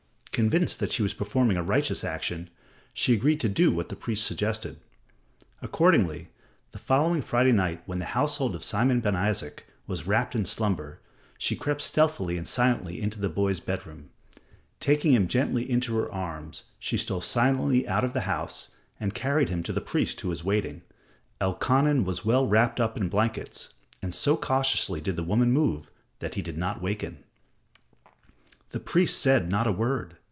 Convinced that she was performing a righteous action, she agreed to do what the priest suggested. Accordingly, the following Friday night when the household of Simon ben Isaac was wrapped in slumber, she crept stealthily and silently into the boy's bedroom. Taking him gently in her arms, she stole silently out of the house and carried him to the priest who was waiting. Elkanan was well wrapped up in blankets, and so cautiously did the woman move that he did not waken. The priest said not a word.